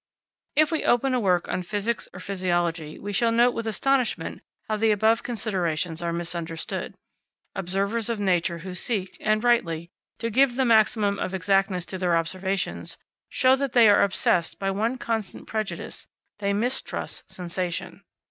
If we open a work on physics or physiology we shall note with astonishment how the above considerations are misunderstood. Observers of nature who seek, and rightly, to give the maximum of exactness to their observations, show that they are obsessed by one constant prejudice: they mistrust sensation.